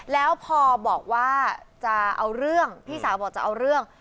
แล้วพอบอกว่าจะเอาเรื่องพี่สาวบอกจะเอาเรื่อง